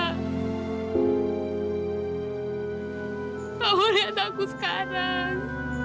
kamu lihat aku sekarang